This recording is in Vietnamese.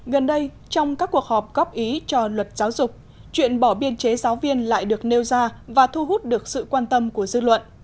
gần đây trong các cuộc họp góp ý cho luật giáo dục chuyện bỏ biên chế giáo viên lại được nêu ra và thu hút được sự quan tâm của dư luận